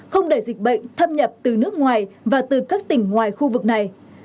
không để dịch bệnh thâm nhập từ nước ngoài và từ các tỉnh ngoài khu vực này